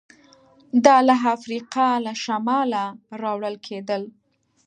دا له افریقا له شماله راوړل کېدل